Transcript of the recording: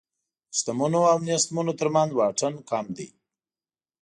د شتمنو او نېستمنو تر منځ واټن کم دی.